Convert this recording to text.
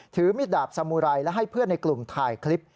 มิดดาบสมุไรและให้เพื่อนในกลุ่มถ่ายคลิป